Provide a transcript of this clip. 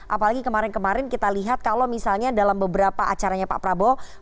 apalagi kemarin kemarin kita lihat kalau misalnya dalam beberapa acaranya pak prabowo